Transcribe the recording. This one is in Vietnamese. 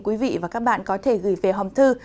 quý vị và các bạn có thể gửi về hòm thư